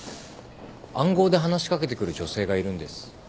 暗号で話し掛けてくる女性がいるんです。